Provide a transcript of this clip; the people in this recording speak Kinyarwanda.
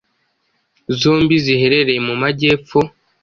zombi ziherereye mu Majyepfo